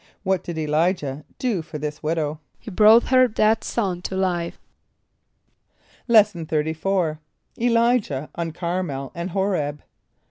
= What did [+E] l[=i]´jah do for this widow? =He brought her dead son to life.= Lesson XXXIV. Elijah on Carmel and Horeb.